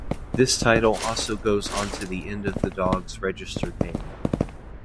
This title also goes onto the end of the dog's registered name.